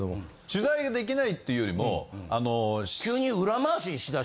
取材ができないっていうよりも。